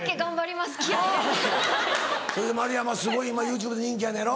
そいで丸山すごい今ＹｏｕＴｕｂｅで人気やのやろ。